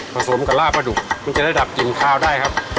ผสมกับลาปลาดุกมันจะได้ดับหยุ่งขาวได้ครับ